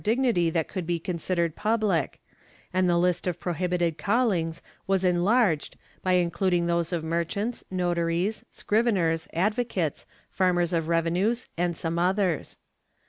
174 HABSHEB PENALTIES [Book VII dignity that could be considered public, and the list of prohibited callings was enlarged by including those of merchants, notaries, scriveners, advocates, farmers of revenues and some others.